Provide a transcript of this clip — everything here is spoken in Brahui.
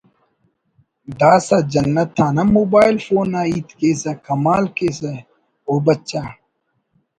داسہ جنت آن ہم موبائل فون آ ہیت کیسہ کما ل کیسہ …… او بچہ